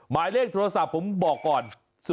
หมายเลขโทรศัพท์ผมบอกก่อน